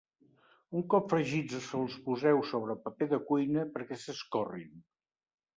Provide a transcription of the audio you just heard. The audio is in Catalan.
Un cop fregits els poseu sobre paper de cuina perquè s’escorrin.